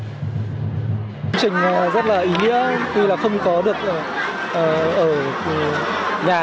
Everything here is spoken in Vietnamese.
chương trình rất là ý nghĩa khi là không có được ở nhà